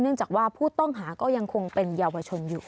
จากว่าผู้ต้องหาก็ยังคงเป็นเยาวชนอยู่